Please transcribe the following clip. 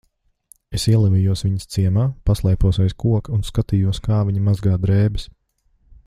Es ielavījos viņas ciemā, paslēpos aiz koka un skatījos, kā viņa mazgā drēbes.